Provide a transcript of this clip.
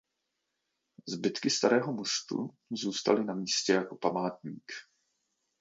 Zbytky starého mostu zůstaly na místě jako památník.